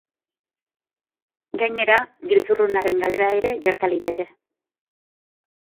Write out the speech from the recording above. Gainera, giltzurrunaren galera ere gerta liteke.